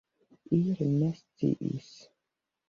Ili ne sciis.